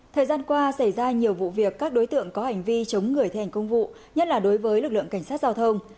thời gian qua xảy ra nhiều vụ việc các đối tượng có hành vi chống người thi hành công vụ nhất là đối với lực lượng cảnh sát giao thông